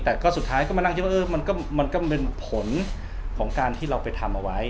แต่ก็สุดท้ายก็มานั่งคิดว่ามันก็เป็นผลของการที่เราไปทำเอาไว้